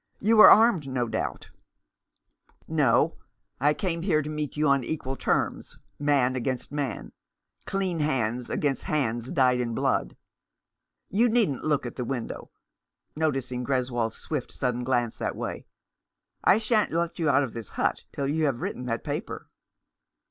" You are armed, no doubt ?" 378 The Enemy and Avenger. " No. I came to meet you on equal terms — man against man ; clean hands against hands dyed in blood. You needn't look at the window — noticing Greswold's swift, sudden glance that way. "I shan't let you out of this hut till you have written that paper."